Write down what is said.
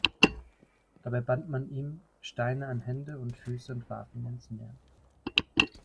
Dabei band man ihm Steine an Hände und Füße und warf ihn ins Meer.